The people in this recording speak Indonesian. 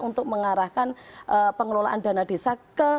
untuk mengarahkan pengelolaan dana desa ke